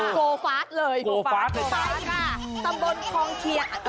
โกฟาสเลยโกฟาสค่ะตำบลคองเทียนอ่ะ